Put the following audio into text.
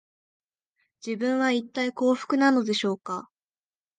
自分は、いったい幸福なのでしょうか